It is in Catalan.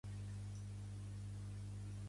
Pertany al moviment independentista la Nina?